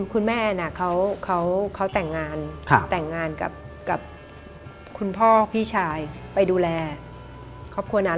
คุณแม่เขาแต่งงานแต่งงานกับคุณพ่อพี่ชายไปดูแลครอบครัวนั้น